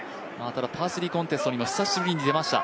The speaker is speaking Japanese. ただ、パー３コンテストにも久しぶりに出ました。